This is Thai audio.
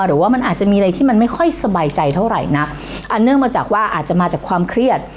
หรือว่ามันอาจจะมีอะไรที่มันไม่ค่อยสบายใจเท่าไหร่นักอันเนื่องมาจากว่าอาจจะมาจากความเครียด